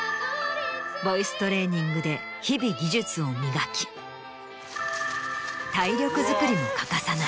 ボイストレーニングで日々技術を磨き体力づくりも欠かさない。